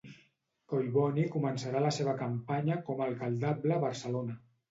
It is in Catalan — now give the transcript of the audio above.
Collboni començarà la seva campanya com a alcaldable a Barcelona.